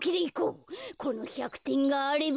この１００てんがあれば。